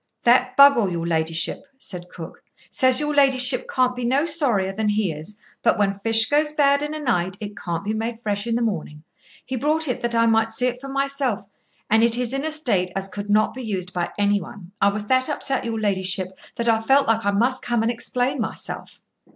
"That Buggle, your ladyship," said cook, "says your ladyship can't be no sorrier than he is, but when fish goes bad in a night it can't be made fresh in the morning. He brought it that I might see it for myself, and it is in a state as could not be used by any one. I was that upset, your ladyship, that I felt like I must come and explain myself."